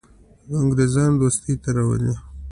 د انګرېزانو دوستي ته راولي.